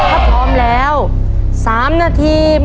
ครอบครัวของแม่ปุ้ยจังหวัดสะแก้วนะครับ